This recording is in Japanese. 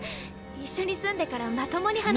一緒に住んでからまともに話。